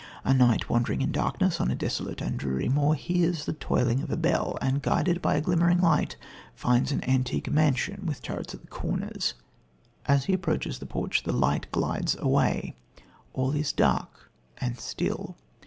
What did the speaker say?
A knight, wandering in darkness on a desolate and dreary moor, hears the tolling of a bell, and, guided by a glimmering light, finds "an antique mansion" with turrets at the corners. As he approaches the porch, the light glides away. All is dark and still.